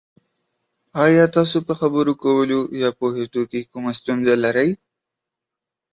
ایا تاسو په خبرو کولو یا پوهیدو کې کومه ستونزه لرئ؟